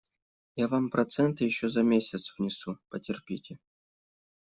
Я вам проценты еще за месяц внесу; потерпите.